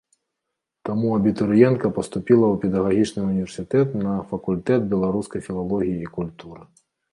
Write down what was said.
Таму абітурыентка паступіла ў педагагічны ўніверсітэт на факультэт беларускай філалогіі і культуры.